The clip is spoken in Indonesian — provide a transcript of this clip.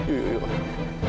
tunggu ya allah